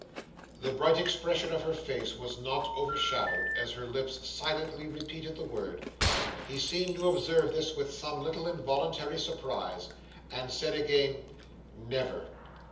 The bright expression of her face was not overshadowed as her lips silently repeated the word. He seemed to observe this with some little involuntary surprise: and said again: "Never.